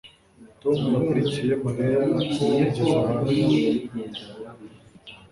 Tom yakurikiye Mariya kugeza hasi